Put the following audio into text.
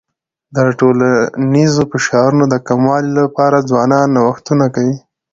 د ټولنیزو فشارونو د کمولو لپاره ځوانان نوښتونه کوي.